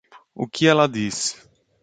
O que ela diz?